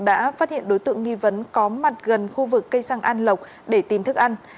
đã phát hiện đối tượng nghi vấn có mặt gần khu vực cây xăng an lộc để tìm thức ăn